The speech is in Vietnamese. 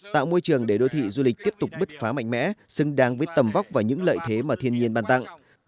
tạo môi trường để đô thị du lịch tiếp tục bứt phá mạnh mẽ xứng đáng với tầm vóc và những lợi thế mà thiên nhiên bàn tặng